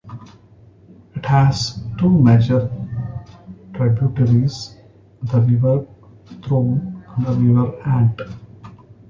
It has two major tributaries, the River Thurne and the River Ant.